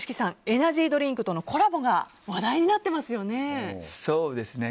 エナジードリンクとのコラボが話題になってますよね。